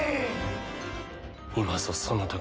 今ぞその時じゃ。